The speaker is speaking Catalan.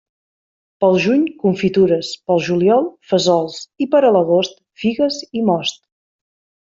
Pel juny, confitures, pel juliol, fesols i per a l'agost, figues i most.